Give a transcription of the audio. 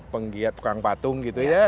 penggiat tukang patung gitu ya